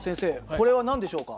これは何でしょうか？